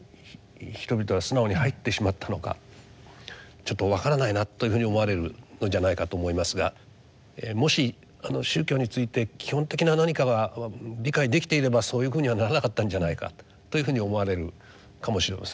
ちょっとわからないなというふうに思われるのじゃないかと思いますがもし宗教について基本的な何かが理解できていればそういうふうにはならなかったんじゃないかというふうに思われるかもしれません。